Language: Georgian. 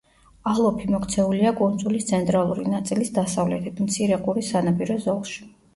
ალოფი მოქცეულია კუნძულის ცენტრალური ნაწილის დასავლეთით, მცირე ყურის სანაპირო ზოლში.